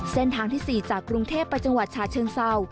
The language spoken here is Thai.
เส้นทางที่๔จากกรุงเทพไปจังหวัดชาเชิงเศร้า